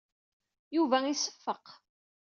Yuba iseffeq.